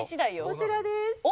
こちらです。